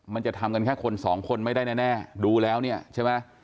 มันจะทำกันแค่คนสองคนไม่ได้แน่ดูแล้วเนี่ยใช่ไหม